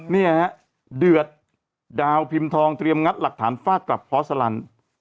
เนี่ยฮะเดือดดาวพิมพ์ทองเตรียมงัดหลักฐานฟาดกลับพอสลัน